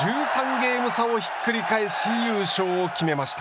ゲーム差をひっくり返し優勝を決めました。